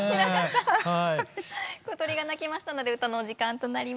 小鳥が鳴きましたので歌のお時間となります。